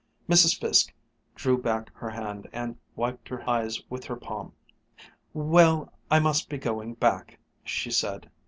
Mrs. Fiske drew back her hand and wiped her eyes with her palm. "Well, I must be going back," she said.